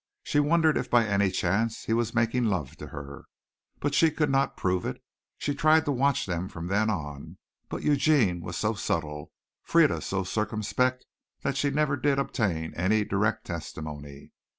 She wondered if by any chance he was making love to her, but she could not prove it. She tried to watch them from then on, but Eugene was so subtle, Frieda so circumspect, that she never did obtain any direct testimony.